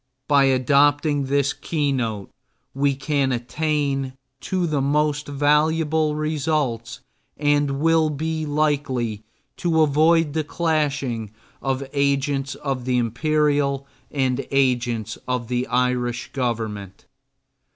By adopting this keynote we can attain to the most valuable results and will be likely to avoid the clashing of agents of the Imperial and agents of the Irish Government.